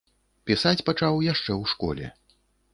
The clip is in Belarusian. Пісаць пачаў яшчэ ў школе.